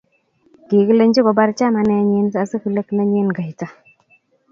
Kikilenchi kobar chamanenyin asikuleku nenyine kaita